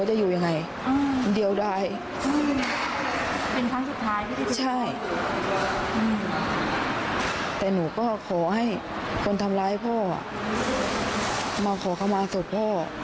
แต่หนูก็ขอให้คนทำร้ายพ่อมาขอเข้ามาศพพ่อ